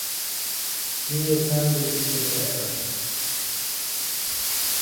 He attended the there.